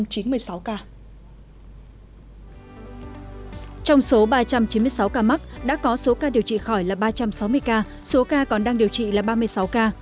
trong số ba trăm chín mươi sáu ca mắc đã có số ca điều trị khỏi là ba trăm sáu mươi ca số ca còn đang điều trị là ba mươi sáu ca